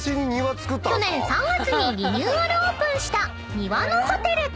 ［去年３月にリニューアルオープンした］